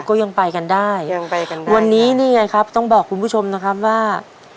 ก็ยังไปกันได้ยังไปกันวันนี้นี่ไงครับต้องบอกคุณผู้ชมนะครับว่า